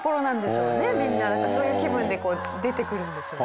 みんなそういう気分で出てくるんでしょうね